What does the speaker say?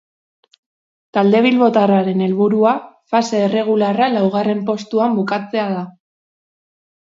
Talde bilbotarraren helburua, fase erregularra laugarren postuan bukatzea da.